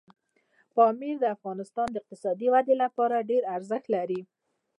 پامیر د افغانستان د اقتصادي ودې لپاره ډېر ارزښت لري.